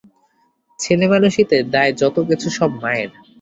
ছেলেমানুষিতে দায় যত-কিছু সব মায়ের।